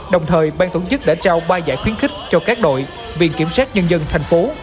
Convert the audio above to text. đồng thời ban tổ chức đã trao ba giải khuyến khích cho các đội viện kiểm sát nhân dân thành phố